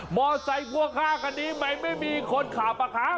หมอซัยกลัวคร่ากอนนี้ไม่มีคนขับอ่ะครับ